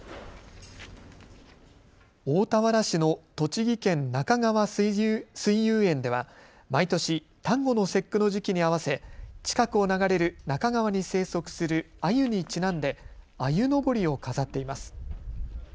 大田原市の栃木県なかがわ水遊園では毎年、端午の節句の時期に合わせ近くを流れる那珂川に生息するアユにちなんであゆのぼりを飾っています。